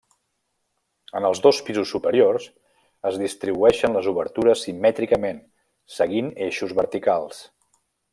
En els dos pisos superiors es distribueixen les obertures simètricament seguint eixos verticals.